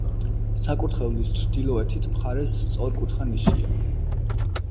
საკურთხევლის ჩრდილოეთ მხარეს სწორკუთხა ნიშია.